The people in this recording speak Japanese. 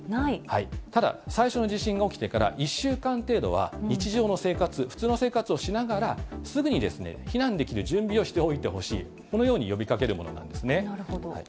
ただ、最初の地震が起きてから１週間程度は日常の生活、普通の生活をしながらすぐに避難できる準備をしておいてほしい、このように呼びかけるものなんですね。